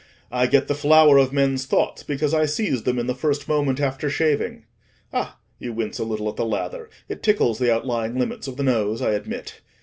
I get the flower of men's thoughts, because I seize them in the first moment after shaving. (Ah! you wince a little at the lather: it tickles the outlying limits of the nose, I admit.)